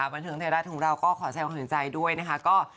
บันทึงเทศรัทธุ์ของเราก็ขอแสดงขอบคุณใจด้วยนะคะ